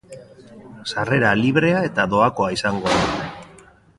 Sarrera librea eta doakoa izango da.